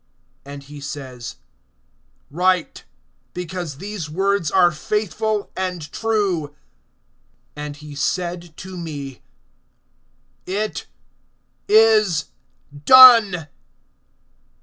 And he says: Write; because these words are faithful and true. (6)And he said to me: It is done.